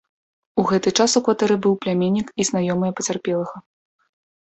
У гэты час у кватэры быў пляменнік і знаёмыя пацярпелага.